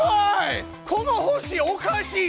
この星おかしいです！